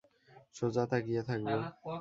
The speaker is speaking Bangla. সোজা তাকিয়ে থাকব।